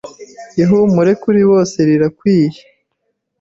ihumure kuri bose rirakwiye